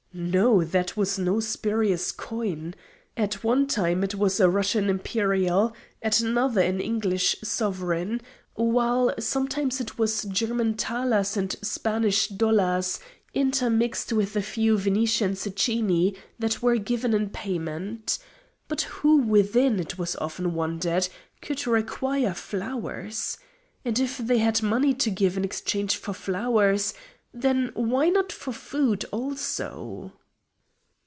No; that was no spurious coin. At one time it was a Russian imperial, at another an English sovereign, while sometimes it was German thalers and Spanish dollars, intermixed with a few Venetian zecchini, that were given in payment. But who within, it was often wondered, could require flowers? And if they had money to give in exchange for flowers, then why not for food also?